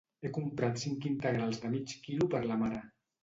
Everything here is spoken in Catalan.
He comprat cinc integrals de mig quilo per la mare